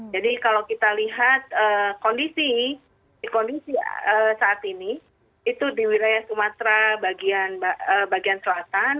jadi kalau kita lihat kondisi saat ini itu di wilayah sumatera bagian selatan